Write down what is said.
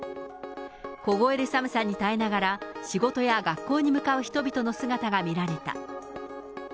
凍える寒さに耐えながら、仕事や学校に向かう人々の姿が見られた。